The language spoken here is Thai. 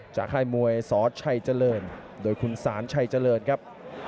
ค่ายมวยสชัยเจริญโดยคุณสารชัยเจริญครับ